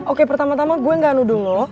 oke pertama tama gue gak nuduh loh